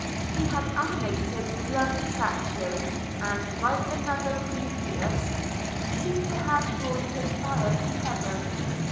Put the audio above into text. He had animated the lovely statue, and, like another Prometheus, seemed to have drawn his fire from heaven.